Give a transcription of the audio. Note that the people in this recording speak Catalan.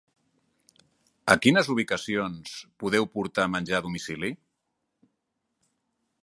A quines ubicacions podeu portar menjar a domicili?